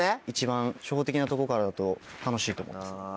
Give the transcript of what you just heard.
一番初歩的なとこからだと楽しいと思います。